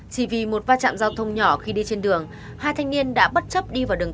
chỉ vì một va chạm giao thông nhỏ khi đi trên đường hai thanh niên đã bất chấp đi vào đường